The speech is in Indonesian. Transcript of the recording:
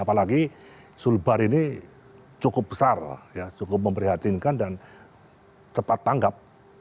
apalagi sulbar ini cukup besar cukup memprihatinkan dan cepat tanggap